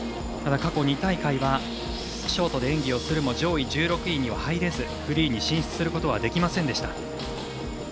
過去２大会はショートで演技をするも上位１６位には入れずフリーに進出することはできませんでした。